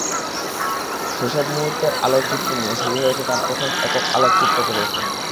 সেসব মুহূর্তের আলোকচিত্র নিয়ে শুরু হয়েছে তাঁর প্রথম একক আলোকচিত্র প্রদর্শনী।